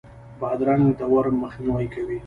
بادرنګ د ورم مخنیوی کوي.